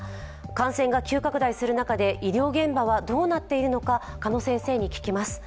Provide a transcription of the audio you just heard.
感染が急拡大する中で医療現場はどうなっているのか鹿野先生に聞きます。